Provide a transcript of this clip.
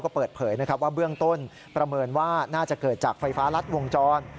ก็เปิดเผยนะครับว่าเบื้องต้นประเมินว่าน่าจะเกิดจากไฟฟ้ารัดวงจร